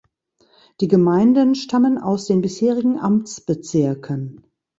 Die Gemeinden stammen aus den bisherigen Amtsbezirken